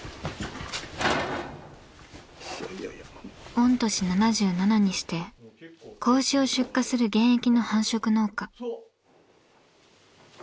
御年７７にして子牛を出荷する現役の繁殖農家。